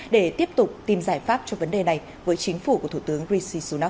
để tiếp tục tìm giải pháp cho vấn đề này với chính phủ của thủ tướng rishi sunak